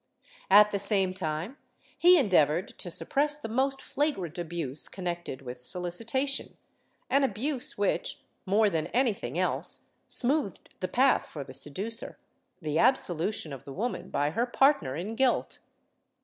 At the same time he endeavored to suppress the m.ost flagrant abuse connected with sohcitation — an abuse which, more than anything else, smoothed the path for the seducer — the absolution of the woman by her partner in guilt.